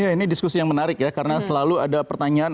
ini diskusi yang menarik ya karena selalu ada pertanyaan